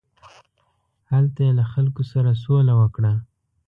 هلته یې له خلکو سره سوله وکړه.